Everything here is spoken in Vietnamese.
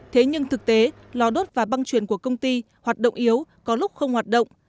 thế nhưng thực tế lò đốt và băng chuyển của công ty hoạt động yếu có lúc không hoạt động